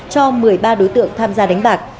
cho một mươi ba đối tượng tham gia đánh bạc